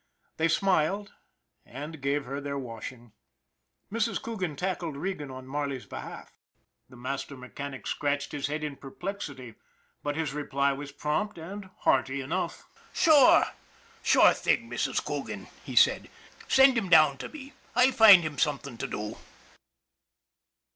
They smiled and gave her their washing. Mrs. Coogan tackled Regan on Marley's behalf. The master mechanic scratched his head in perplex ity, but his reply was prompt and hearty enough. " Sure. Sure thing, Mrs. Coogan," he said. " Send him down to me. I'll find him something to do."